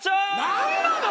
何なの？